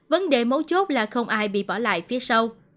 vấn đề mấu chốt là không ai bị bỏ lại phía sau